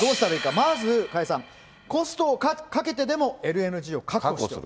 まず加谷さん、コストをかけてでもＬＮＧを確保する。